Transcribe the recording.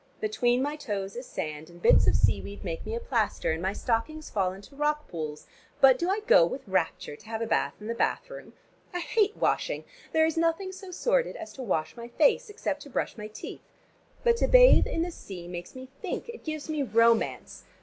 Between my toes is sand, and bits of seaweed make me a plaster, and my stockings fall into rock pools, but do I go with rapture to have a bath in the bathroom? I hate washing. There is nothing so sordid as to wash my face, except to brush my teeth. But to bathe in the sea makes me think: it gives me romance.